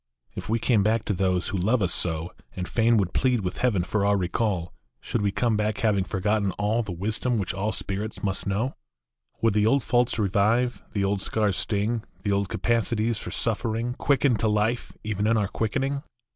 If we came back to those who love us so, And fain would plead with Heaven for our recall, Should we come back having forgotten all The wisdom which all spirits needs must know? Would the old faults revive, the old scars sting, The old capacities for suffering Quicken to life even in our quickening?